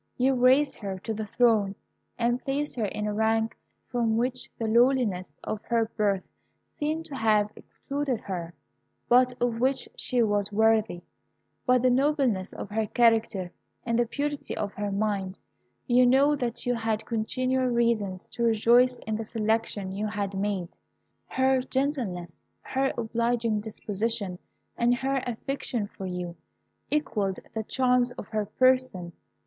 You raised her to the throne, and placed her in a rank from which the lowliness of her birth seemed to have excluded her, but of which she was worthy, by the nobleness of her character and the purity of her mind. You know that you had continual reasons to rejoice in the selection you had made. Her gentleness, her obliging disposition, and her affection for you, equalled the charms of her person.